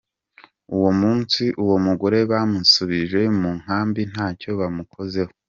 Uwo munsi uwo mugore bamusubije mu nkambi ntacyo bamukozeho.